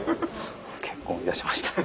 結婚いたしました。